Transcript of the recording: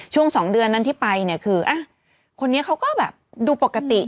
ช่วง๒เดือนนั้นที่ไปเนี่ยคือคนนี้เขาก็แบบดูปกติ